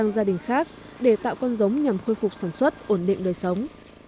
gia đình khác để tạo con giống nhằm khôi phục sản xuất ổn định đời sống